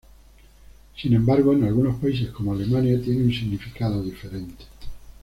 Sin embargo, en algunos países, como Alemania tiene un significado diferente.